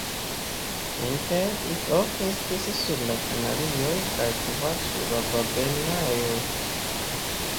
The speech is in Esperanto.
Inter ili ok estis sur la Kanarioj kaj kvar sur la Balearoj.